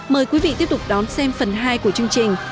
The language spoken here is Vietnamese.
mời quý vị tiếp tục đón xem phần hai của chương trình